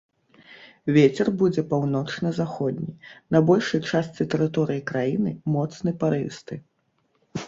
Вецер будзе паўночна-заходні, на большай частцы тэрыторыі краіны моцны парывісты.